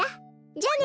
じゃあね。